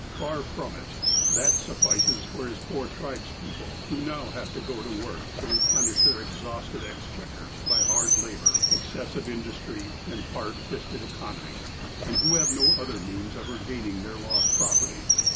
Far from it. That suffices for his poor tribes people, who now have to go to work to replenish their exhausted exchequer by hard labour, excessive industry and hard fisted economy, and who have no other means of regaining their lost property.